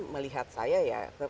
melihat saya ya